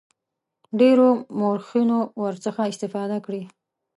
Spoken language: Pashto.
ډیرو مورخینو ورڅخه استفاده کړې.